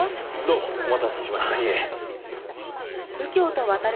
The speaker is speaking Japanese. どうもお待たせしました。